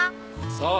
そう！